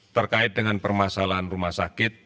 terkait dengan permasalahan rumah sakit